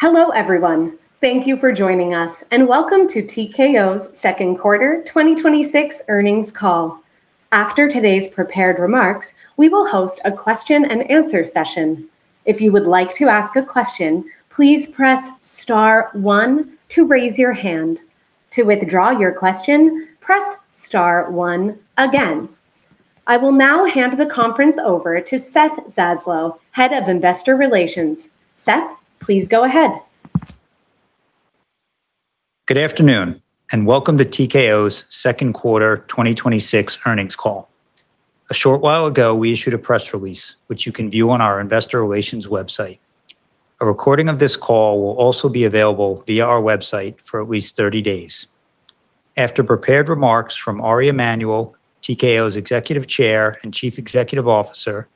Hello everyone. Thank you for joining us, and welcome to TKO's second quarter 2026 earnings call. After today's prepared remarks, we will host a question and answer session. If you would like to ask a question, please press star one to raise your hand. To withdraw your question, press star one again. I will now hand the conference over to Seth Zaslow, Head of Investor Relations. Seth, please go ahead. Good afternoon, and welcome to TKO's second quarter 2026 earnings call. A short while ago, we issued a press release, which you can view on our investor relations website. A recording of this call will also be available via our website for at least 30 days. After prepared remarks from Ari Emanuel, TKO's Executive Chair and Chief Executive Officer,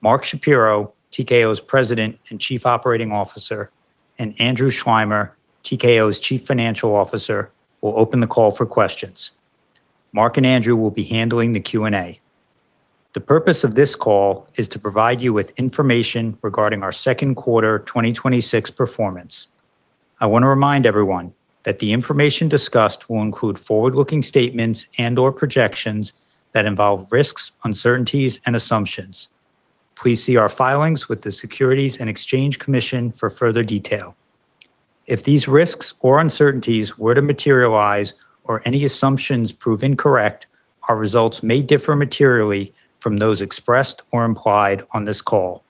Mark Shapiro, TKO's President and Chief Operating Officer, and Andrew Schleimer, TKO's Chief Financial Officer, we'll open the call for questions. Mark and Andrew will be handling the Q&A. The purpose of this call is to provide you with information regarding our second quarter 2026 performance. I want to remind everyone that the information discussed will include forward-looking statements and/or projections that involve risks, uncertainties, and assumptions. Please see our filings with the Securities and Exchange Commission for further detail. If these risks or uncertainties were to materialize or any assumptions prove incorrect, our results may differ materially from those expressed or implied on this call.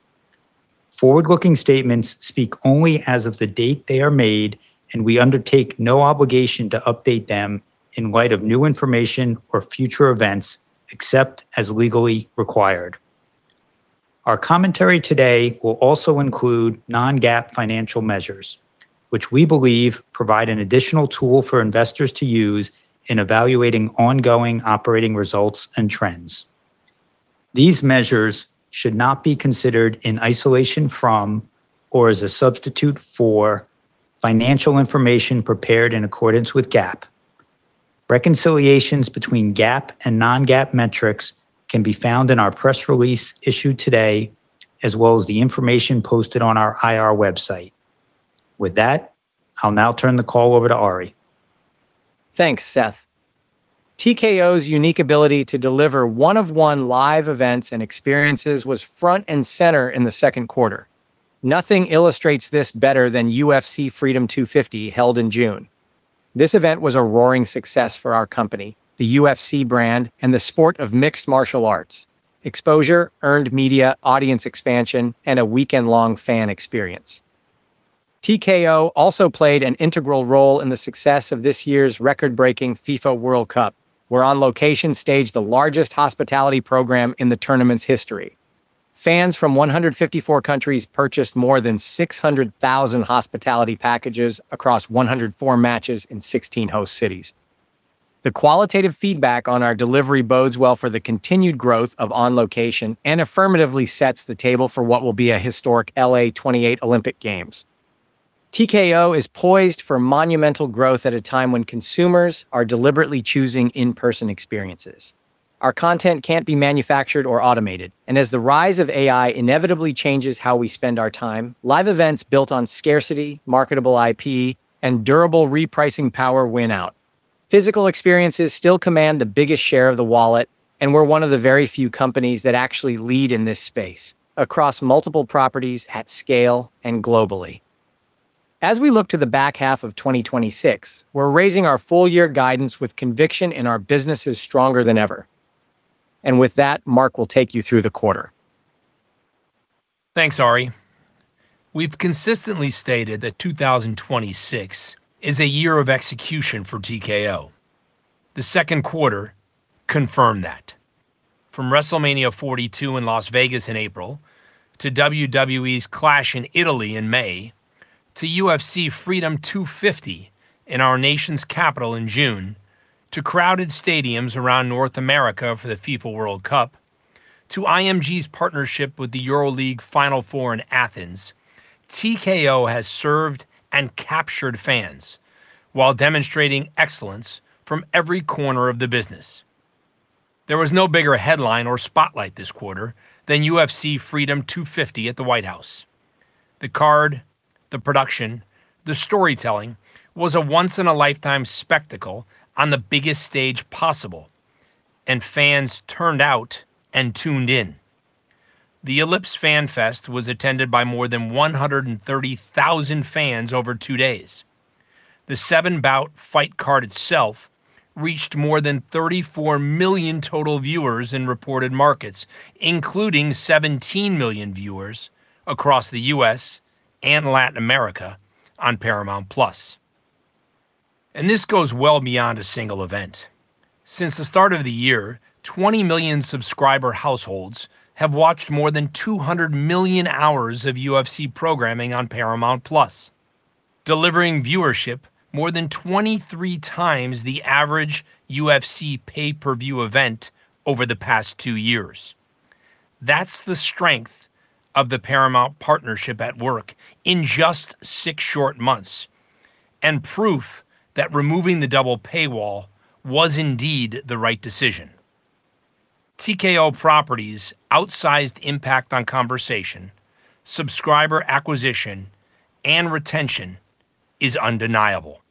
Forward-looking statements speak only as of the date they are made, and we undertake no obligation to update them in light of new information or future events, except as legally required. Our commentary today will also include non-GAAP financial measures, which we believe provide an additional tool for investors to use in evaluating ongoing operating results and trends. These measures should not be considered in isolation from or as a substitute for financial information prepared in accordance with GAAP. Reconciliations between GAAP and non-GAAP metrics can be found in our press release issued today, as well as the information posted on our IR website. With that, I'll now turn the call over to Ari. Thanks, Seth. TKO's unique ability to deliver one-of-one live events and experiences was front and center in the second quarter. Nothing illustrates this better than UFC Freedom 250, held in June. This event was a roaring success for our company, the UFC brand, and the sport of mixed martial arts. Exposure, earned media, audience expansion, and a weekend-long fan experience. TKO also played an integral role in the success of this year's record-breaking FIFA World Cup, where On Location staged the largest hospitality program in the tournament's history. Fans from 154 countries purchased more than 600,000 hospitality packages across 104 matches in 16 host cities. The qualitative feedback on our delivery bodes well for the continued growth of On Location, and affirmatively sets the table for what will be a historic LA28 Olympic Games. TKO is poised for monumental growth at a time when consumers are deliberately choosing in-person experiences. Our content can't be manufactured or automated. As the rise of AI inevitably changes how we spend our time, live events built on scarcity, marketable IP, and durable repricing power win out. Physical experiences still command the biggest share of the wallet, and we're one of the very few companies that actually lead in this space, across multiple properties at scale and globally. As we look to the back half of 2026, we're raising our full year guidance with conviction in our businesses stronger than ever. With that, Mark will take you through the quarter. Thanks, Ari. We've consistently stated that 2026 is a year of execution for TKO. The second quarter confirmed that. From WrestleMania 42 in Las Vegas in April, to WWE's Clash in Italy in May, to UFC Freedom 250 in our nation's capital in June, to crowded stadiums around North America for the FIFA World Cup, to IMG's partnership with the EuroLeague Final Four in Athens, TKO has served and captured fans while demonstrating excellence from every corner of the business. There was no bigger headline or spotlight this quarter than UFC Freedom 250 at the White House. The card, the production, the storytelling was a once-in-a-lifetime spectacle on the biggest stage possible. Fans turned out and tuned in. The Ellipse Fan Fest was attended by more than 130,000 fans over two days. The 7-bout fight card itself reached more than 34 million total viewers in reported markets, including 17 million viewers across the U.S. and Latin America on Paramount+. This goes well beyond a single event. Since the start of the year, 20 million subscriber households have watched more than 200 million hours of UFC programming on Paramount+, delivering viewership more than 23 times the average UFC pay-per-view event over the past two years. That's the strength of the Paramount partnership at work in just six short months, and proof that removing the double paywall was indeed the right decision. TKO Properties' outsized impact on conversation, subscriber acquisition, and retention is undeniable.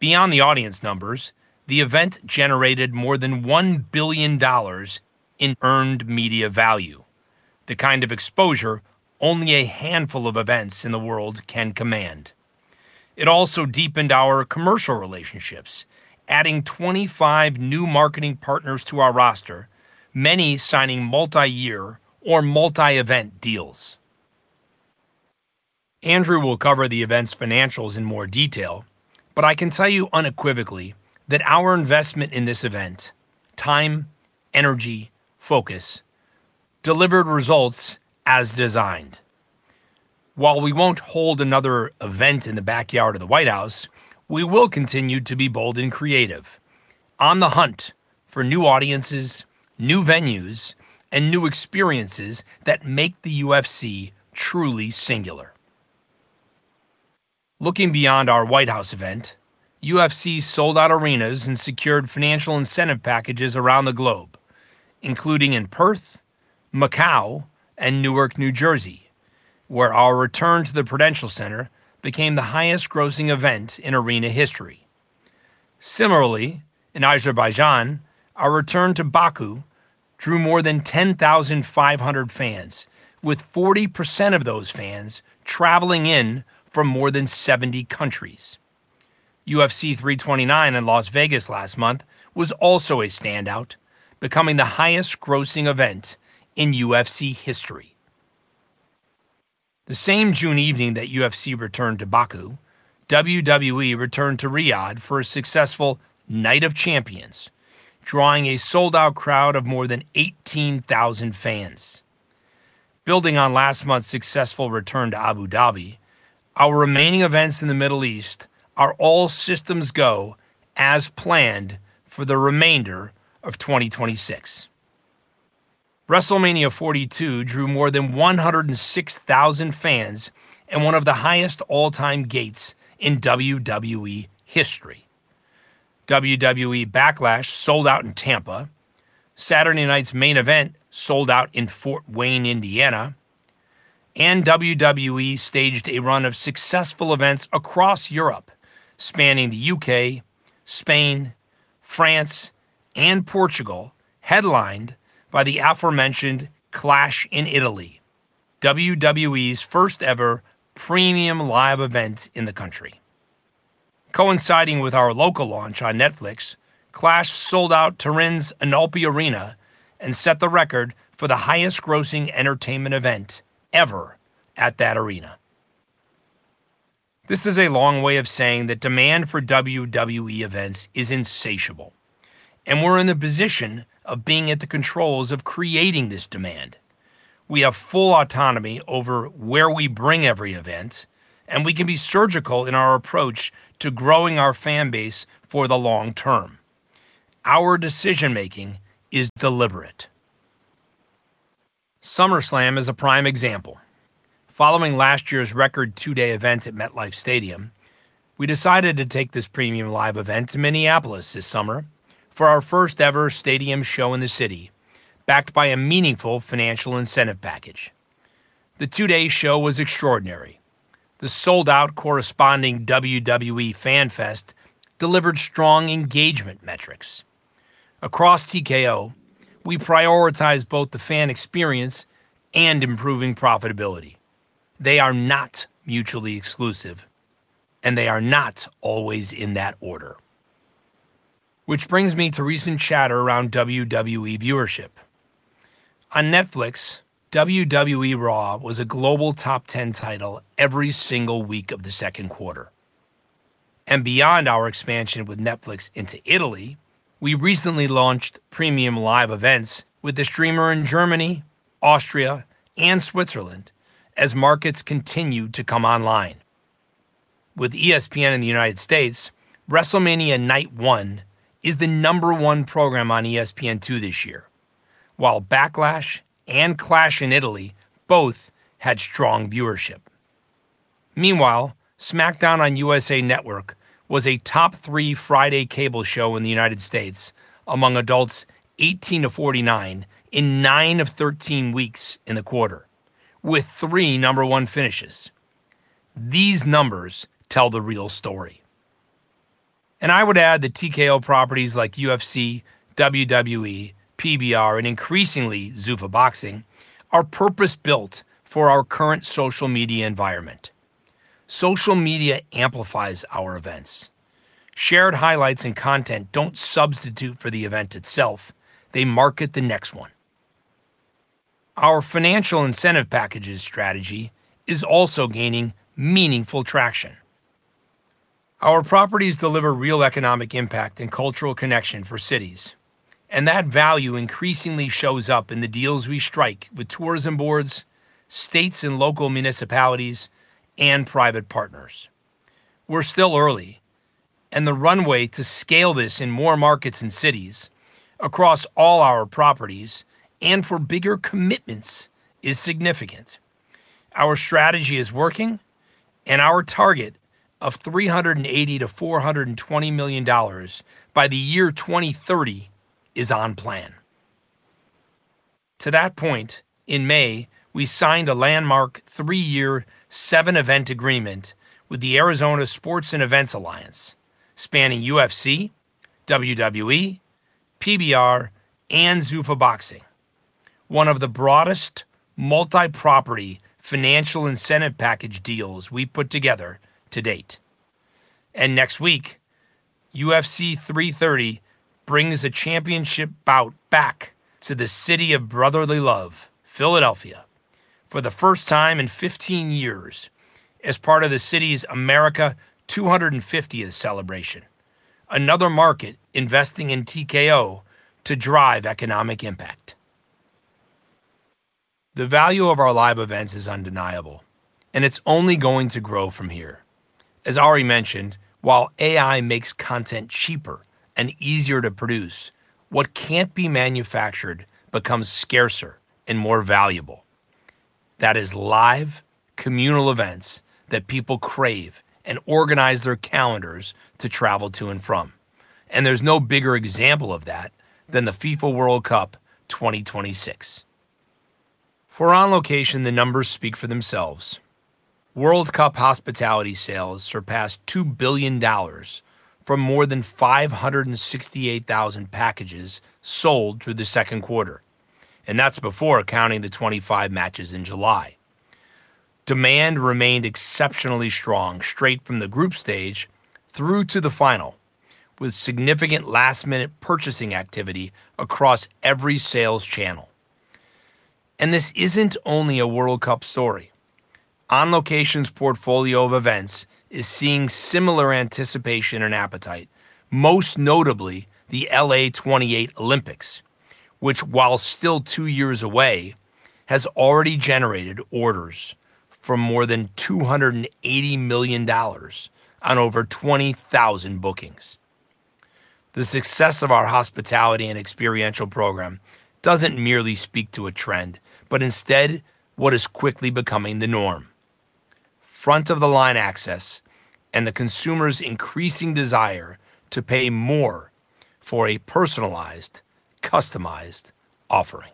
Beyond the audience numbers, the event generated more than $1 billion in earned media value, the kind of exposure only a handful of events in the world can command. It also deepened our commercial relationships, adding 25 new marketing partners to our roster, many signing multi-year or multi-event deals. Andrew will cover the event's financials in more detail, but I can tell you unequivocally that our investment in this event, time, energy, focus, delivered results as designed. While we won't hold another event in the backyard of the White House, we will continue to be bold and creative, on the hunt for new audiences, new venues, and new experiences that make the UFC truly singular. Looking beyond our White House event, UFC sold out arenas and secured financial incentive packages around the globe, including in Perth, Macau, and Newark, New Jersey, where our return to the Prudential Center became the highest-grossing event in arena history. Similarly, in Azerbaijan, our return to Baku drew more than 10,500 fans, with 40% of those fans traveling in from more than 70 countries. UFC 329 in Las Vegas last month was also a standout, becoming the highest-grossing event in UFC history. The same June evening that UFC returned to Baku, WWE returned to Riyadh for a successful Night of Champions, drawing a sold-out crowd of more than 18,000 fans. Building on last month's successful return to Abu Dhabi, our remaining events in the Middle East are all systems go as planned for the remainder of 2026. WrestleMania 42 drew more than 106,000 fans and one of the highest all-time gates in WWE history. WWE Backlash sold out in Tampa, Saturday Night's Main Event sold out in Fort Wayne, Indiana, WWE staged a run of successful events across Europe, spanning the U.K., Spain, France, and Portugal, headlined by the aforementioned Clash in Italy, WWE's first-ever premium live event in the country. Coinciding with our local launch on Netflix, Clash sold out Turin's Inalpi Arena and set the record for the highest-grossing entertainment event ever at that arena. This is a long way of saying that demand for WWE events is insatiable, we're in the position of being at the controls of creating this demand. We have full autonomy over where we bring every event, we can be surgical in our approach to growing our fan base for the long term. Our decision-making is deliberate. SummerSlam is a prime example. Following last year's record two-day event at MetLife Stadium, we decided to take this premium live event to Minneapolis this summer for our first-ever stadium show in the city, backed by a meaningful financial incentive package. The two-day show was extraordinary. The sold-out corresponding WWE Fan Fest delivered strong engagement metrics. Across TKO, we prioritize both the fan experience and improving profitability. They are not mutually exclusive, they are not always in that order. Which brings me to recent chatter around WWE viewership. On Netflix, WWE Raw was a global top 10 title every single week of the second quarter. Beyond our expansion with Netflix into Italy, we recently launched premium live events with the streamer in Germany, Austria, and Switzerland as markets continue to come online. With ESPN in the U.S., WrestleMania Night 1 is the number one program on ESPN2 this year, while Backlash and Clash in Italy both had strong viewership. Meanwhile, SmackDown on USA Network was a top three Friday cable show in the U.S. among adults 18-49 in 9 of 13 weeks in the quarter, with three number one finishes. These numbers tell the real story. I would add that TKO properties like UFC, WWE, PBR, and increasingly, Zuffa Boxing are purpose-built for our current social media environment. Social media amplifies our events. Shared highlights and content don't substitute for the event itself. They market the next one. Our financial incentive packages strategy is also gaining meaningful traction. Our properties deliver real economic impact and cultural connection for cities, that value increasingly shows up in the deals we strike with tourism boards, states and local municipalities, and private partners. We're still early, the runway to scale this in more markets and cities across all our properties and for bigger commitments is significant. Our strategy is working, our target of $380 million-$420 million by the year 2030 is on plan. To that point, in May, we signed a landmark three-year, seven-event agreement with the Arizona Sports & Events Alliance, spanning UFC, WWE, PBR, and Zuffa Boxing, one of the broadest multi-property financial incentive package deals we've put together to date. Next week, UFC 330 brings the championship bout back to the City of Brotherly Love, Philadelphia, for the first time in 15 years as part of the city's America 250 celebration, another market investing in TKO to drive economic impact. The value of our live events is undeniable, and it's only going to grow from here. As already mentioned, while AI makes content cheaper and easier to produce, what can't be manufactured becomes scarcer and more valuable. That is live, communal events that people crave and organize their calendars to travel to and from. There's no bigger example of that than the FIFA World Cup 2026. For On Location, the numbers speak for themselves. World Cup hospitality sales surpassed $2 billion from more than 568,000 packages sold through the second quarter, and that's before counting the 25 matches in July. Demand remained exceptionally strong straight from the group stage through to the final, with significant last-minute purchasing activity across every sales channel. This isn't only a World Cup story. On Location's portfolio of events is seeing similar anticipation and appetite, most notably the LA 2028 Olympics, which, while still two years away, has already generated orders for more than $280 million on over 20,000 bookings. The success of our hospitality and experiential program doesn't merely speak to a trend, but instead what is quickly becoming the norm, front of the line access and the consumer's increasing desire to pay more for a personalized, customized offering.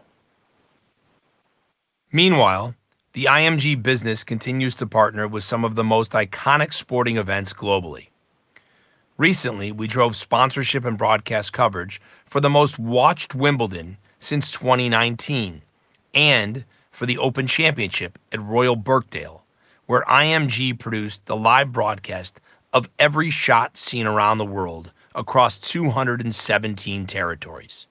Meanwhile, the IMG business continues to partner with some of the most iconic sporting events globally. Recently, we drove sponsorship and broadcast coverage for the most watched Wimbledon since 2019 and for the Open Championship at Royal Birkdale, where IMG produced the live broadcast of every shot seen around the world across 217 territories.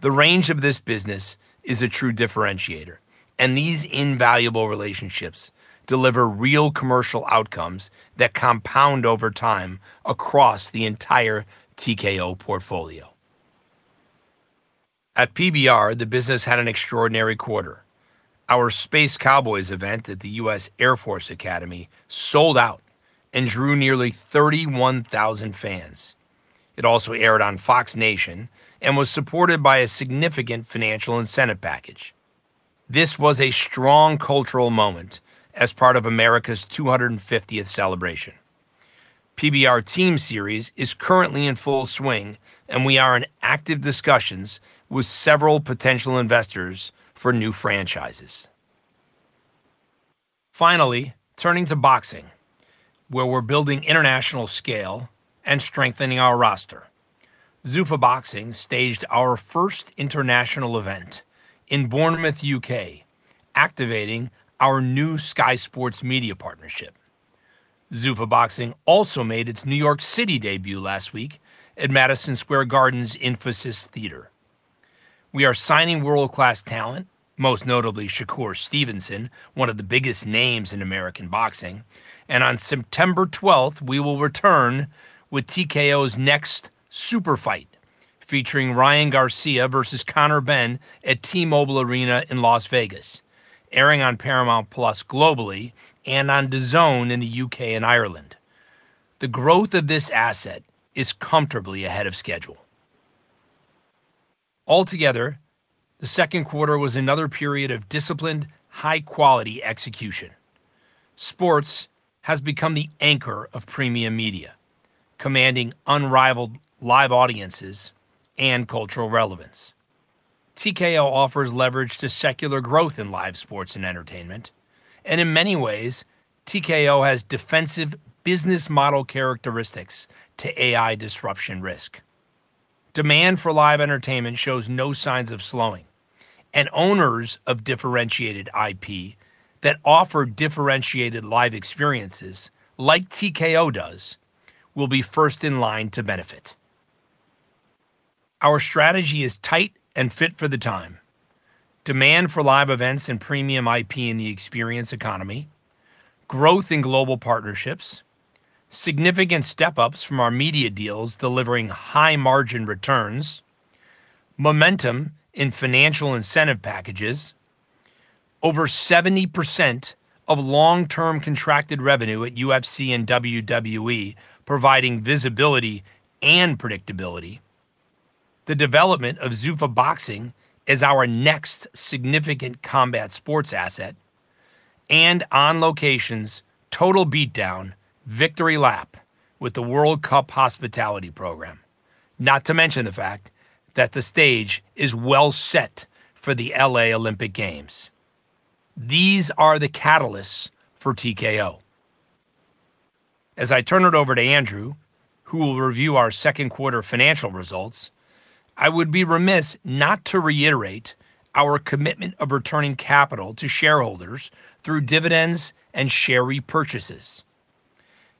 The range of this business is a true differentiator, and these invaluable relationships deliver real commercial outcomes that compound over time across the entire TKO portfolio. At PBR, the business had an extraordinary quarter. Our Space Cowboys event at the U.S. Air Force Academy sold out and drew nearly 31,000 fans. It also aired on Fox Nation and was supported by a significant financial incentive package. This was a strong cultural moment as part of America 250th celebration. PBR Team Series is currently in full swing, and we are in active discussions with several potential investors for new franchises. Finally, turning to boxing, where we're building international scale and strengthening our roster. Zuffa Boxing staged our first international event in Bournemouth, U.K., activating our new Sky Sports media partnership. Zuffa Boxing also made its New York City debut last week at Madison Square Garden's Infosys Theater. We are signing world-class talent, most notably Shakur Stevenson, one of the biggest names in American boxing. On September 12th, we will return with TKO's next super fight featuring Ryan Garcia versus Conor Benn at T-Mobile Arena in Las Vegas, airing on Paramount+ globally and on DAZN in the U.K. and Ireland. The growth of this asset is comfortably ahead of schedule. Altogether, the second quarter was another period of disciplined, high-quality execution. Sports has become the anchor of premium media, commanding unrivaled live audiences and cultural relevance. TKO offers leverage to secular growth in live sports and entertainment. In many ways, TKO has defensive business model characteristics to AI disruption risk. Demand for live entertainment shows no signs of slowing, and owners of differentiated IP that offer differentiated live experiences, like TKO does, will be first in line to benefit. Our strategy is tight and fit for the time. Demand for live events and premium IP in the experience economy, growth in global partnerships, significant step-ups from our media deals delivering high-margin returns, momentum in financial incentive packages, over 70% of long-term contracted revenue at UFC and WWE providing visibility and predictability. The development of Zuffa Boxing as our next significant combat sports asset, On Location's Total Beatdown victory lap with the World Cup hospitality program. Not to mention the fact that the stage is well set for the L.A. Olympic Games. These are the catalysts for TKO. I turn it over to Andrew, who will review our second quarter financial results. I would be remiss not to reiterate our commitment of returning capital to shareholders through dividends and share repurchases.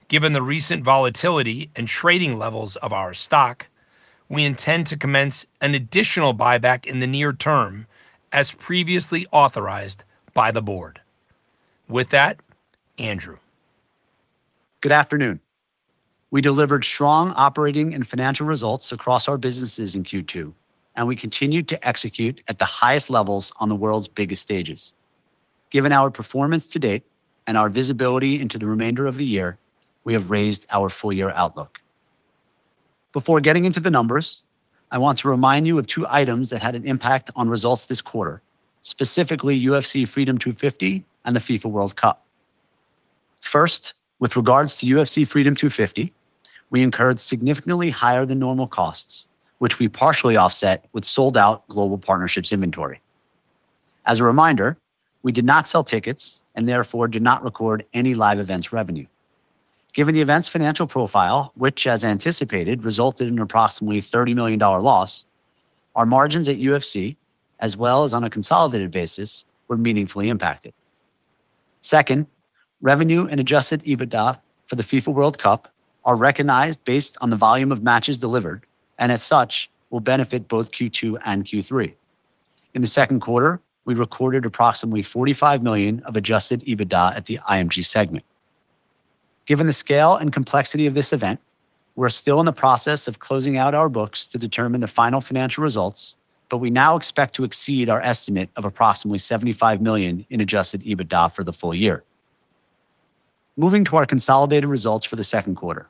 The recent volatility in trading levels of our stock, we intend to commence an additional buyback in the near term, as previously authorized by the board. With that, Andrew. Good afternoon. We delivered strong operating and financial results across our businesses in Q2, and we continued to execute at the highest levels on the world's biggest stages. Our performance to date and our visibility into the remainder of the year, we have raised our full-year outlook. Before getting into the numbers, I want to remind you of two items that had an impact on results this quarter, specifically UFC Freedom 250 and the FIFA World Cup. First, with regards to UFC Freedom 250, we incurred significantly higher than normal costs, which we partially offset with sold-out global partnerships inventory. A reminder, we did not sell tickets and therefore did not record any live events revenue. The event's financial profile, which as anticipated, resulted in approximately a $30 million loss, our margins at UFC, as well as on a consolidated basis, were meaningfully impacted. Second, revenue and adjusted EBITDA for the FIFA World Cup are recognized based on the volume of matches delivered, and as such, will benefit both Q2 and Q3. In the second quarter, we recorded approximately $45 million of adjusted EBITDA at the IMG segment. Given the scale and complexity of this event, we're still in the process of closing out our books to determine the final financial results, but we now expect to exceed our estimate of approximately $75 million in adjusted EBITDA for the full year. Moving to our consolidated results for the second quarter,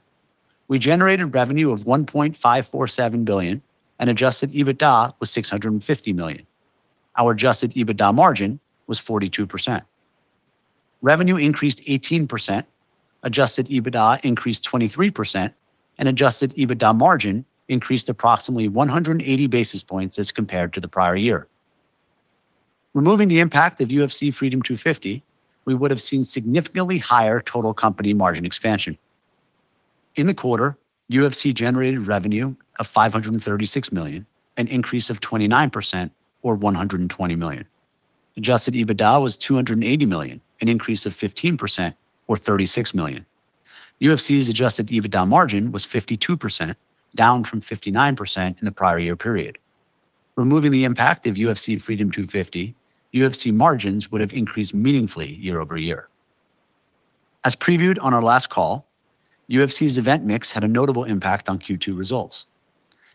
we generated revenue of $1.547 billion and adjusted EBITDA was $650 million. Our adjusted EBITDA margin was 42%. Revenue increased 18%, adjusted EBITDA increased 23%, and adjusted EBITDA margin increased approximately 180 basis points as compared to the prior year. Removing the impact of UFC Freedom 250, we would have seen significantly higher total company margin expansion. In the quarter, UFC generated revenue of $536 million, an increase of 29% or $120 million. Adjusted EBITDA was $280 million, an increase of 15% or $36 million. UFC's adjusted EBITDA margin was 52%, down from 59% in the prior year period. Removing the impact of UFC Freedom 250, UFC margins would have increased meaningfully year-over-year. As previewed on our last call, UFC's event mix had a notable impact on Q2 results.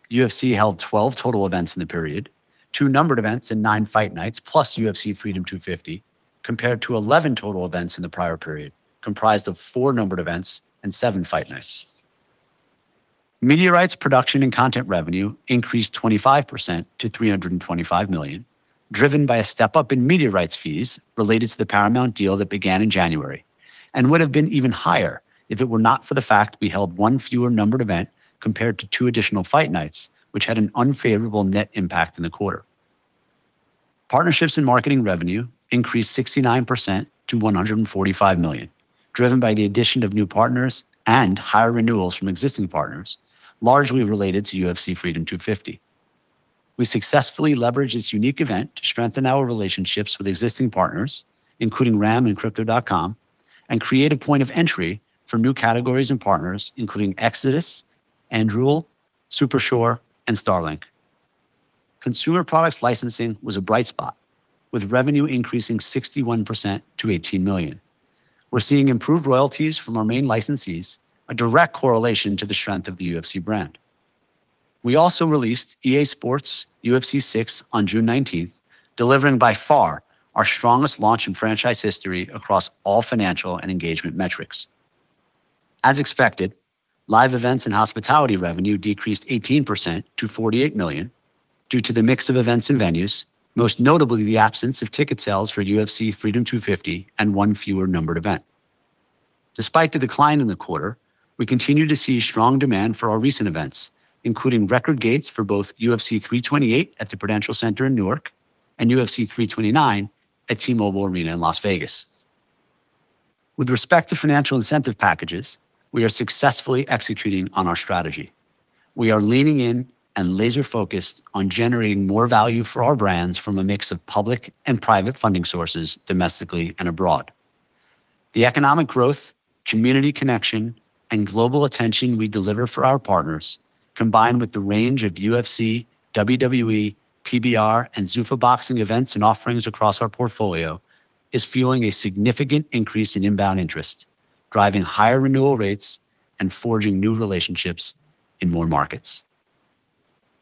UFC held 12 total events in the period, two numbered events and nine fight nights, plus UFC Freedom 250, compared to 11 total events in the prior period, comprised of four numbered events and seven fight nights. Media rights production and content revenue increased 25% to $325 million, driven by a step-up in media rights fees related to the Paramount deal that began in January, and would have been even higher if it were not for the fact we held one fewer numbered event compared to two additional fight nights, which had an unfavorable net impact in the quarter. Partnerships and marketing revenue increased 69% to $145 million, driven by the addition of new partners and higher renewals from existing partners, largely related to UFC Freedom 250. We successfully leveraged this unique event to strengthen our relationships with existing partners, including Ram and Crypto.com, and create a point of entry for new categories and partners, including Exodus, Anduril, Supersure, and Starlink. Consumer products licensing was a bright spot, with revenue increasing 61% to $18 million. We're seeing improved royalties from our main licensees, a direct correlation to the strength of the UFC brand. We also released EA Sports UFC 6 on June 19th, delivering by far our strongest launch in franchise history across all financial and engagement metrics. As expected, live events and hospitality revenue decreased 18% to $48 million due to the mix of events and venues, most notably the absence of ticket sales for UFC Freedom 250 and one fewer numbered event. Despite the decline in the quarter, we continue to see strong demand for our recent events, including record gates for both UFC 328 at the Prudential Center in Newark and UFC 329 at T-Mobile Arena in Las Vegas. With respect to financial incentive packages, we are successfully executing on our strategy. We are leaning in and laser-focused on generating more value for our brands from a mix of public and private funding sources, domestically and abroad. The economic growth, community connection, and global attention we deliver for our partners, combined with the range of UFC, WWE, PBR, and Zuffa Boxing events and offerings across our portfolio, is fueling a significant increase in inbound interest, driving higher renewal rates and forging new relationships in more markets.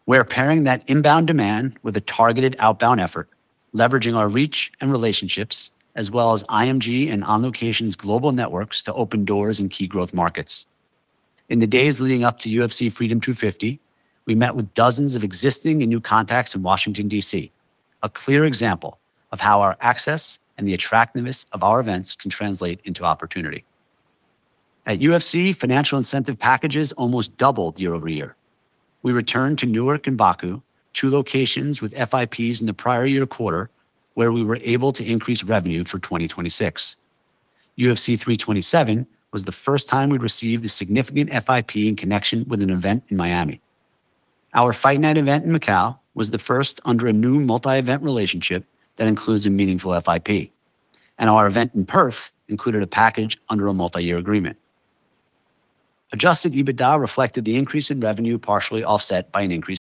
We're pairing that inbound demand with a targeted outbound effort Leveraging our reach and relationships as well as IMG and On Location's global networks to open doors in key growth markets. In the days leading up to UFC Freedom 250, we met with dozens of existing and new contacts in Washington, D.C., a clear example of how our access and the attractiveness of our events can translate into opportunity. At UFC, financial incentive packages almost doubled year-over-year. We returned to Newark and Baku, two locations with FIPs in the prior year quarter, where we were able to increase revenue for 2026. UFC 327 was the first time we received a significant FIP in connection with an event in Miami. Our fight night event in Macau was the first under a new multi-event relationship that includes a meaningful FIP. Our event in Perth included a package under a multi-year agreement. Adjusted EBITDA reflected the increase in revenue, partially offset by an increase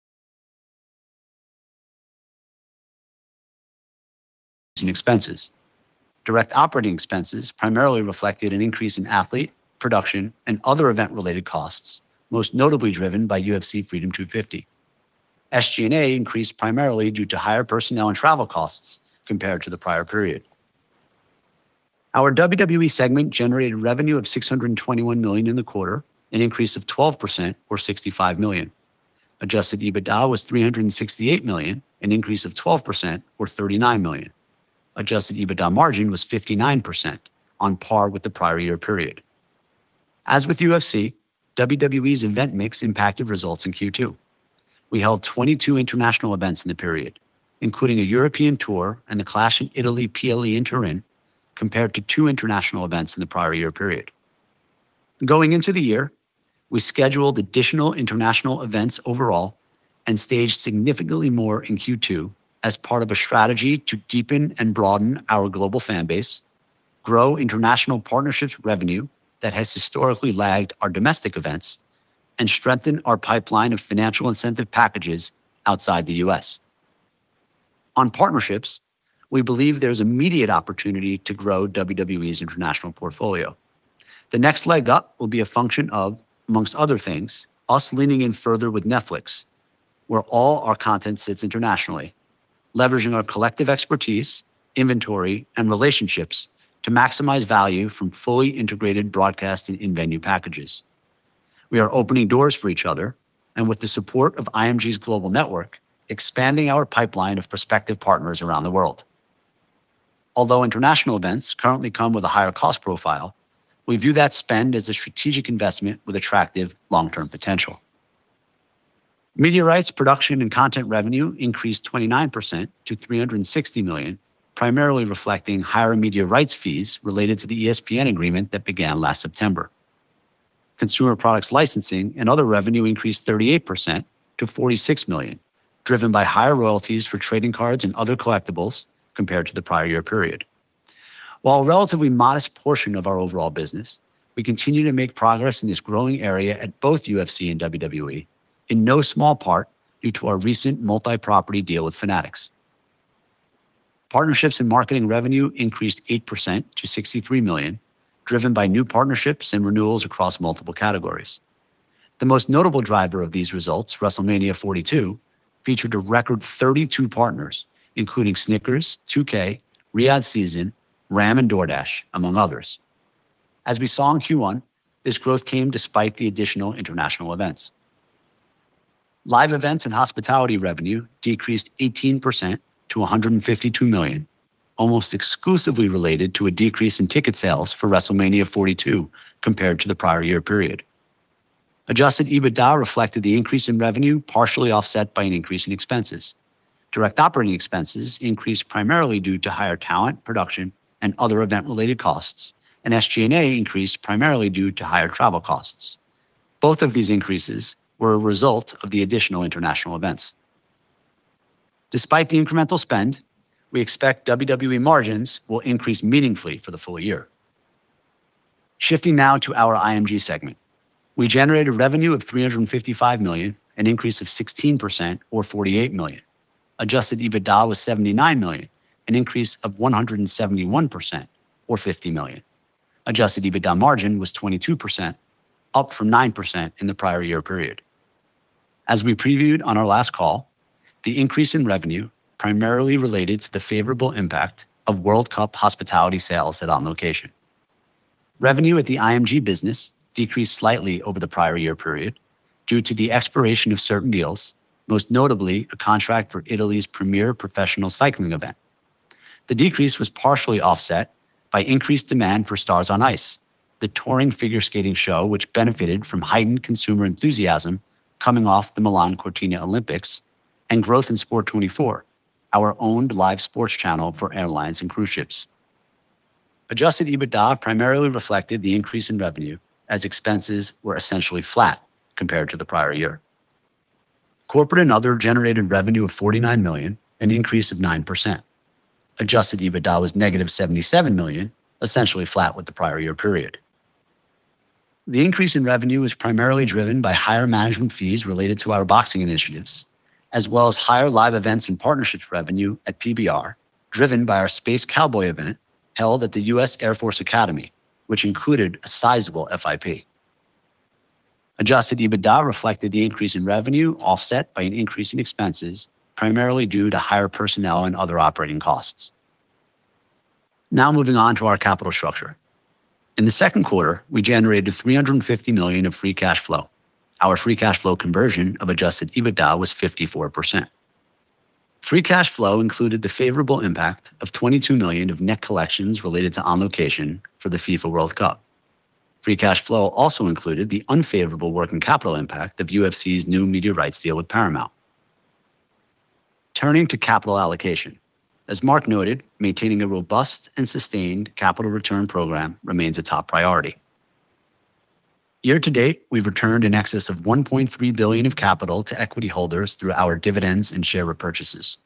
in expenses. Direct operating expenses primarily reflected an increase in athlete, production, and other event-related costs, most notably driven by UFC Freedom 250. SG&A increased primarily due to higher personnel and travel costs compared to the prior period. Our WWE segment generated revenue of $621 million in the quarter, an increase of 12% or $65 million. Adjusted EBITDA was $368 million, an increase of 12% or $39 million. Adjusted EBITDA margin was 59%, on par with the prior year period. As with UFC, WWE's event mix impacted results in Q2. We held 22 international events in the period, including a European tour and The Clash in Italy, Pala Alpitour Turin, compared to two international events in the prior year period. Going into the year, we scheduled additional international events overall and staged significantly more in Q2 as part of a strategy to deepen and broaden our global fan base, grow international partnerships revenue that has historically lagged our domestic events, and strengthen our pipeline of financial incentive packages outside the U.S. On partnerships, we believe there's immediate opportunity to grow WWE's international portfolio. The next leg up will be a function of, amongst other things, us leaning in further with Netflix, where all our content sits internationally, leveraging our collective expertise, inventory, and relationships to maximize value from fully integrated broadcast and in-venue packages. We are opening doors for each other, and with the support of IMG's global network, expanding our pipeline of prospective partners around the world. Although international events currently come with a higher cost profile, we view that spend as a strategic investment with attractive long-term potential. Media rights production and content revenue increased 29% to $360 million, primarily reflecting higher media rights fees related to the ESPN agreement that began last September. Consumer products licensing and other revenue increased 38% to $46 million, driven by higher royalties for trading cards and other collectibles compared to the prior year period. While a relatively modest portion of our overall business, we continue to make progress in this growing area at both UFC and WWE, in no small part due to our recent multi-property deal with Fanatics. Partnerships and marketing revenue increased 8% to $63 million, driven by new partnerships and renewals across multiple categories. The most notable driver of these results, WrestleMania 42, featured a record 32 partners, including Snickers, 2K, Riyadh Season, Ram, and DoorDash, among others. As we saw in Q1, this growth came despite the additional international events. Live events and hospitality revenue decreased 18% to $152 million, almost exclusively related to a decrease in ticket sales for WrestleMania 42 compared to the prior year period. Adjusted EBITDA reflected the increase in revenue, partially offset by an increase in expenses. Direct operating expenses increased primarily due to higher talent, production, and other event-related costs, and SG&A increased primarily due to higher travel costs. Both of these increases were a result of the additional international events. Despite the incremental spend, we expect WWE margins will increase meaningfully for the full year. Shifting now to our IMG segment. We generated revenue of $355 million, an increase of 16% or $48 million. Adjusted EBITDA was $79 million, an increase of 171% or $50 million. Adjusted EBITDA margin was 22%, up from 9% in the prior year period. As we previewed on our last call, the increase in revenue primarily related to the favorable impact of FIFA World Cup hospitality sales at On Location. Revenue at the IMG business decreased slightly over the prior year period due to the expiration of certain deals, most notably a contract for Italy's premier professional cycling event. The decrease was partially offset by increased demand for Stars on Ice, the touring figure skating show, which benefited from heightened consumer enthusiasm coming off the Milano Cortina Olympics and growth in Sport24, our owned live sports channel for airlines and cruise ships. Adjusted EBITDA primarily reflected the increase in revenue as expenses were essentially flat compared to the prior year. Corporate and other generated revenue of $49 million, an increase of 9%. Adjusted EBITDA was negative $77 million, essentially flat with the prior year period. The increase in revenue was primarily driven by higher management fees related to our boxing initiatives, as well as higher live events and partnerships revenue at PBR, driven by our PBR Space Cowboys event held at the U.S. Air Force Academy, which included a sizable FIP. Adjusted EBITDA reflected the increase in revenue offset by an increase in expenses, primarily due to higher personnel and other operating costs. Now moving on to our capital structure. In the second quarter, we generated $350 million of free cash flow. Our free cash flow conversion of adjusted EBITDA was 54%. Free cash flow included the favorable impact of $22 million of net collections related to On Location for the FIFA World Cup. Free cash flow also included the unfavorable working capital impact of UFC's new media rights deal with Paramount. Turning to capital allocation. As Mark noted, maintaining a robust and sustained capital return program remains a top priority. Year to date, we've returned in excess of $1.3 billion of capital to equity holders through our dividends and share repurchases.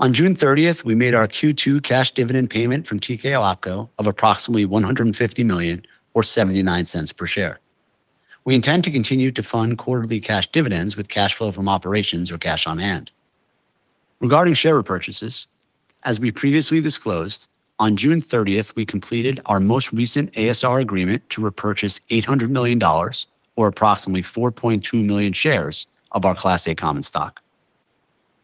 On June 30th, we made our Q2 cash dividend payment from TKO OpCo of approximately $150 million or $0.79 per share. We intend to continue to fund quarterly cash dividends with cash flow from operations or cash on hand. Regarding share repurchases, as we previously disclosed, on June 30th, we completed our most recent ASR agreement to repurchase $800 million or approximately 4.2 million shares of our Class A common stock.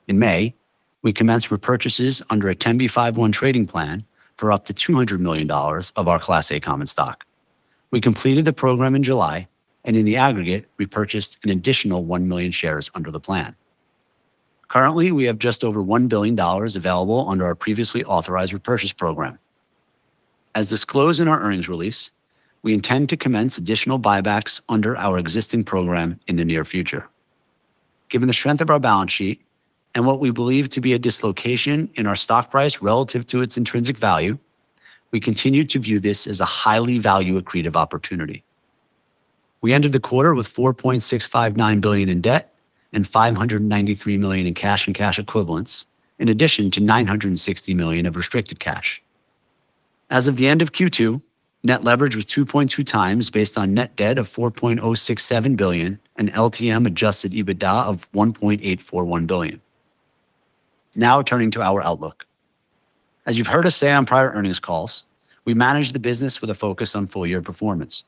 In May, we commenced repurchases under a Rule 10b5-1 trading plan for up to $200 million of our Class A common stock. We completed the program in July, and in the aggregate, we purchased an additional 1 million shares under the plan. Currently, we have just over $1 billion available under our previously authorized repurchase program. As disclosed in our earnings release, we intend to commence additional buybacks under our existing program in the near future. Given the strength of our balance sheet and what we believe to be a dislocation in our stock price relative to its intrinsic value, we continue to view this as a highly value accretive opportunity. We ended the quarter with $4.659 billion in debt and $593 million in cash and cash equivalents, in addition to $960 million of restricted cash. As of the end of Q2, net leverage was 2.2 times based on net debt of $4.067 billion and LTM adjusted EBITDA of $1.841 billion. Turning to our outlook. As you've heard us say on prior earnings calls, we manage the business with a focus on full year performance.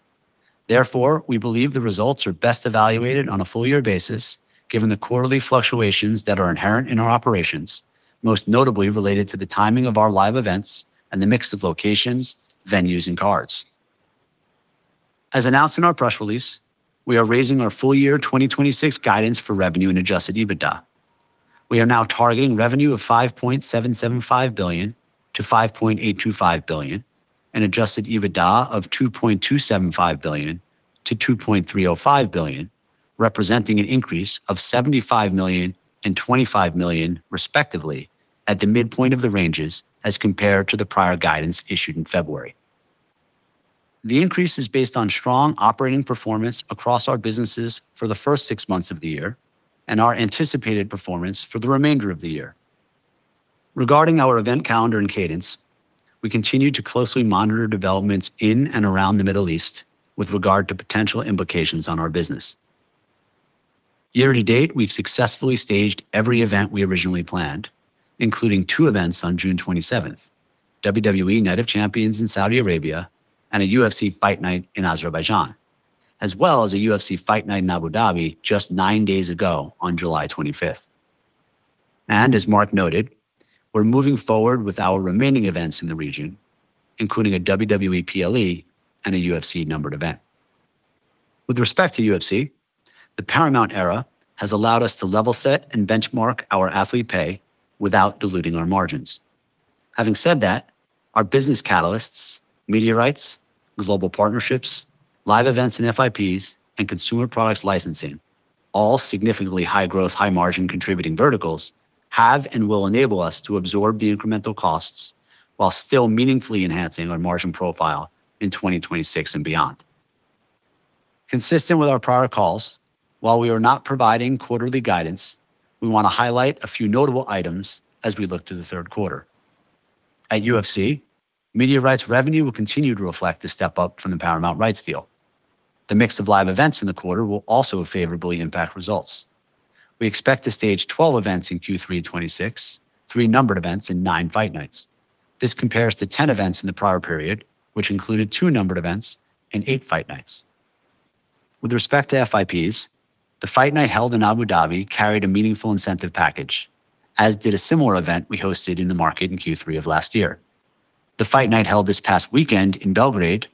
We believe the results are best evaluated on a full year basis, given the quarterly fluctuations that are inherent in our operations, most notably related to the timing of our live events and the mix of locations, venues, and cards. As announced in our press release, we are raising our full year 2026 guidance for revenue and adjusted EBITDA. We are now targeting revenue of $5.775 billion-$5.825 billion and adjusted EBITDA of $2.275 billion-$2.305 billion, representing an increase of $75 million and $25 million respectively at the midpoint of the ranges as compared to the prior guidance issued in February. The increase is based on strong operating performance across our businesses for the first six months of the year and our anticipated performance for the remainder of the year. Regarding our event calendar and cadence, we continue to closely monitor developments in and around the Middle East with regard to potential implications on our business. Year to date, we've successfully staged every event we originally planned, including two events on June 27th, WWE Night of Champions in Saudi Arabia, and a UFC fight night in Azerbaijan, as well as a UFC fight night in Abu Dhabi just nine days ago on July 25th. As Mark noted, we're moving forward with our remaining events in the region, including a WWE PLE and a UFC numbered event. With respect to UFC, the Paramount era has allowed us to level set and benchmark our athlete pay without diluting our margins. Having said that, our business catalysts, media rights, global partnerships, live events and FIPs, and consumer products licensing, all significantly high growth, high margin contributing verticals, have and will enable us to absorb the incremental costs while still meaningfully enhancing our margin profile in 2026 and beyond. Consistent with our prior calls, while we are not providing quarterly guidance, we want to highlight a few notable items as we look to the third quarter. At UFC, media rights revenue will continue to reflect the step-up from the Paramount rights deal. The mix of live events in the quarter will also favorably impact results. We expect to stage 12 events in Q3 2026, three numbered events and nine fight nights. This compares to 10 events in the prior period, which included two numbered events and eight fight nights. With respect to FIPs, the fight night held in Abu Dhabi carried a meaningful incentive package, as did a similar event we hosted in the market in Q3 of last year. The fight night held this past weekend in Belgrade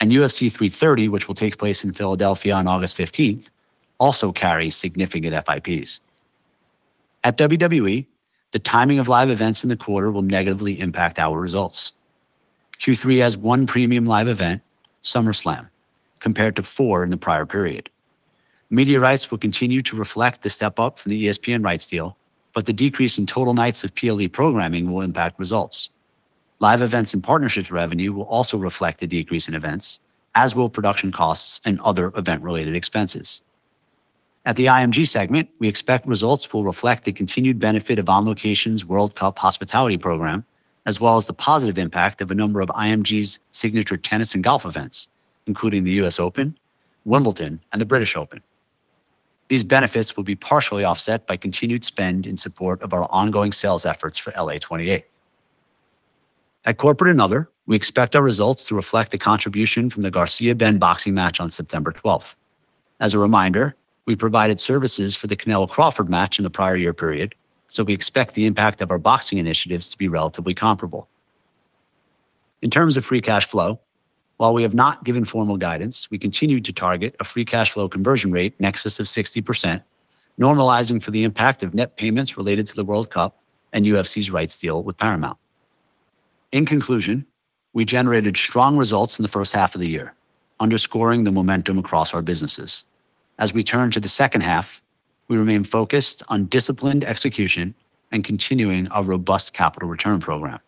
and UFC 330, which will take place in Philadelphia on August 15th, also carries significant FIPs. At WWE, the timing of live events in the quarter will negatively impact our results. Q3 has one premium live event, SummerSlam, compared to four in the prior period. Media rights will continue to reflect the step-up from the ESPN rights deal, but the decrease in total nights of PLE programming will impact results. Live events and partnerships revenue will also reflect the decrease in events, as will production costs and other event-related expenses. At the IMG segment, we expect results will reflect the continued benefit of On Location's World Cup hospitality program, as well as the positive impact of a number of IMG's signature tennis and golf events, including the US Open, Wimbledon, and the British Open. These benefits will be partially offset by continued spend in support of our ongoing sales efforts for LA 2028. At corporate and other, we expect our results to reflect the contribution from the Garcia-Benn boxing match on September 12th. As a reminder, we provided services for the Canelo-Crawford match in the prior year period, so we expect the impact of our boxing initiatives to be relatively comparable. In terms of free cash flow, while we have not given formal guidance, we continue to target a free cash flow conversion rate in excess of 60%, normalizing for the impact of net payments related to the World Cup and UFC's rights deal with Paramount. In conclusion, we generated strong results in the first half of the year, underscoring the momentum across our businesses. As we turn to the second half, we remain focused on disciplined execution and continuing our robust capital return program.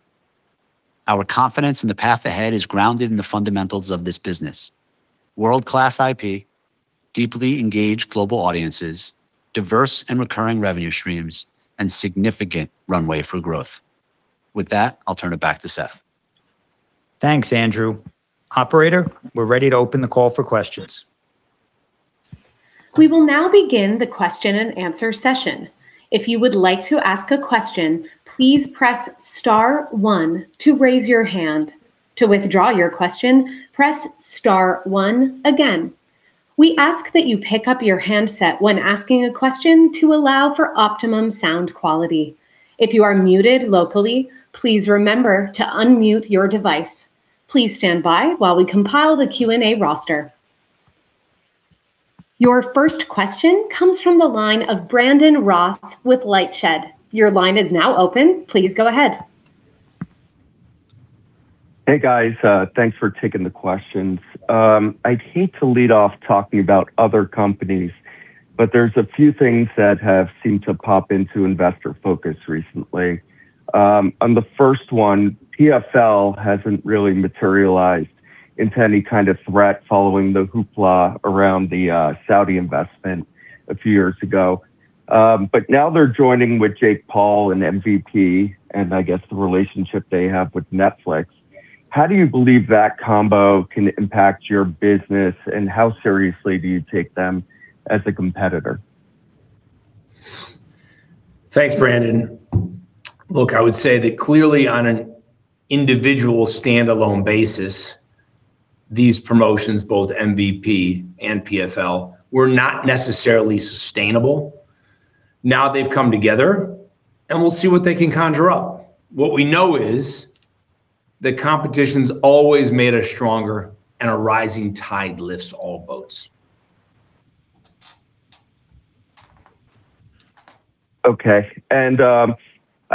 Our confidence in the path ahead is grounded in the fundamentals of this business. World-class IP, deeply engaged global audiences, diverse and recurring revenue streams, and significant runway for growth. With that, I'll turn it back to Seth. Thanks, Andrew. Operator, we're ready to open the call for questions. We will now begin the question and answer session. If you would like to ask a question, please press star one to raise your hand. To withdraw your question, press star one again. We ask that you pick up your handset when asking a question to allow for optimum sound quality. If you are muted locally, please remember to unmute your device. Please stand by while we compile the Q&A roster. Your first question comes from the line of Brandon Ross with LightShed. Your line is now open. Please go ahead. Hey, guys. Thanks for taking the questions. I'd hate to lead off talking about other companies. There's a few things that have seemed to pop into investor focus recently. On the first one, PFL hasn't really materialized into any kind of threat following the hoopla around the Saudi investment a few years ago. Now they're joining with Jake Paul and MVP, and I guess the relationship they have with Netflix. How do you believe that combo can impact your business, and how seriously do you take them as a competitor? Thanks, Brandon. Look, I would say that clearly on an individual standalone basis, these promotions, both MVP and PFL, were not necessarily sustainable. Now they've come together. We'll see what they can conjure up. What we know is that competition's always made us stronger. A rising tide lifts all boats. Okay. I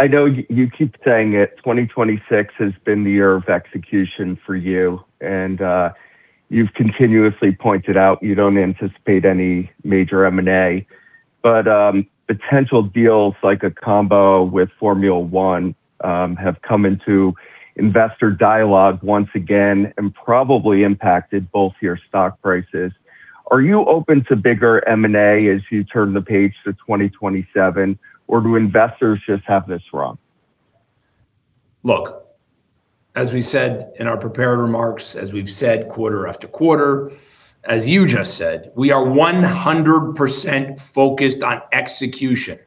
know you keep saying it, 2026 has been the year of execution for you. You've continuously pointed out you don't anticipate any major M&A. Potential deals like a combo with Formula 1 have come into investor dialogue once again and probably impacted both your stock prices. Are you open to bigger M&A as you turn the page to 2027, or do investors just have this wrong? Look, as we said in our prepared remarks, as we've said quarter after quarter, as you just said, we are 100% focused on execution.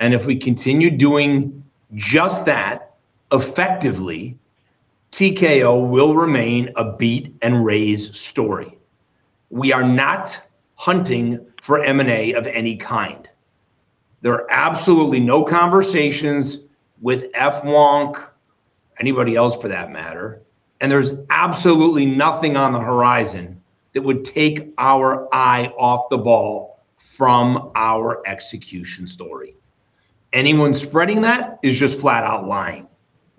If we continue doing just that effectively, TKO will remain a beat and raise story. We are not hunting for M&A of any kind. There are absolutely no conversations with F1, anybody else for that matter. There's absolutely nothing on the horizon that would take our eye off the ball from our execution story. Anyone spreading that is just flat out lying.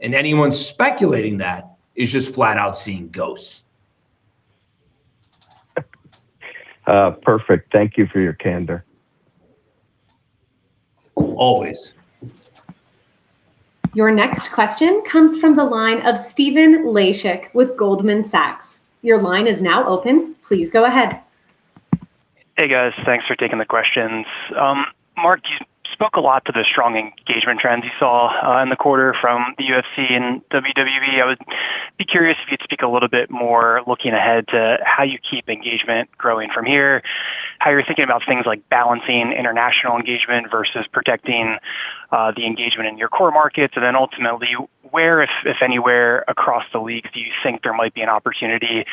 Anyone speculating that is just flat out seeing ghosts. Perfect. Thank you for your candor. Always. Your next question comes from the line of Stephen Laszczyk with Goldman Sachs. Your line is now open. Please go ahead. Hey, guys. Thanks for taking the questions. Mark, you spoke a lot to the strong engagement trends you saw in the quarter from the UFC and WWE. I would be curious if you'd speak a little bit more looking ahead to how you keep engagement growing from here, how you're thinking about things like balancing international engagement versus protecting the engagement in your core markets. Ultimately, where, if anywhere, across the league do you think there might be an opportunity